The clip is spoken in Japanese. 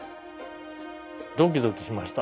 ドキドキしました。